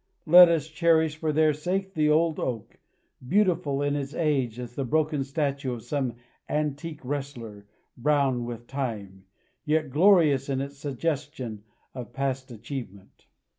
Let us cherish for their sake the old oak, beautiful in its age as the broken statue of some antique wrestler, brown with time, yet glorious in its suggestion of past achievement.